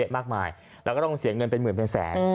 ว๒มากมายเราก็ลองเสียเงินเป็นมืนเป็นแสน